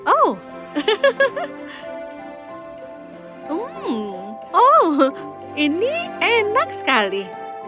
oh ini enak sekali